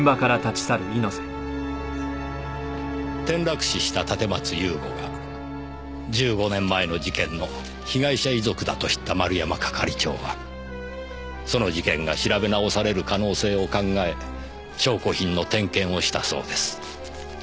転落死した立松雄吾が１５年前の事件の被害者遺族だと知った丸山係長はその事件が調べ直される可能性を考え証拠品の点検をしたそうです。